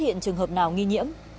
không có trường hợp nào nghi nhiễm